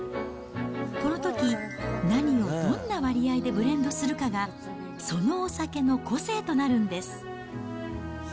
このとき、何をどんな割合でブレンドするかが、そのお酒の個性となるんです。